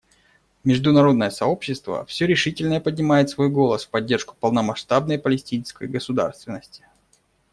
Международное сообщество все решительнее поднимает свой голос в поддержку полномасштабной палестинской государственности.